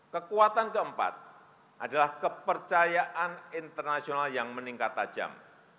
kekuatan keempat adalah kepercayaan internasional yang meningkat tajam